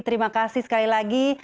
terima kasih sekali lagi